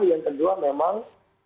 yang kedua memang